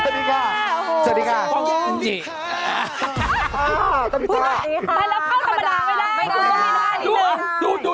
ถ้ารับข้อธรรมดาไม่ได้